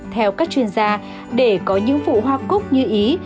theo các chuyên gia để có những vụ hoa cúc như ý